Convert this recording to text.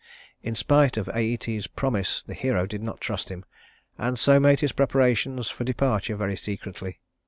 In spite of Æetes's promise the hero did not trust him, and so made his preparations for departure very secretly.